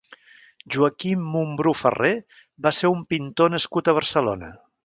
Joaquim Mombrú Ferrer va ser un pintor nascut a Barcelona.